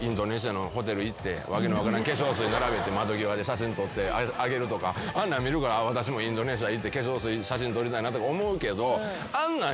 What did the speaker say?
訳の分からん化粧水並べて窓際で写真撮って上げるとかあんなん見るから私もインドネシア行って化粧水写真撮りたいなとか思うけどあんなん。